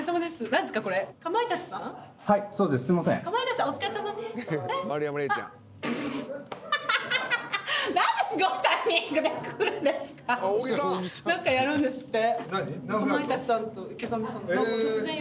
何かうっぷんですって。